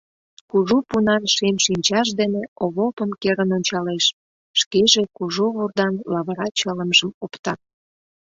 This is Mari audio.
Кужу пунан шем шинчаж дене Овопым керын ончалеш, шкеже кужу вурдан лавыра чылымжым опта.